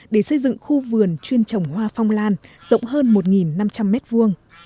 để xây dựng khu vườn chuyên trồng hoa phong lan rộng hơn một năm trăm linh mét vuông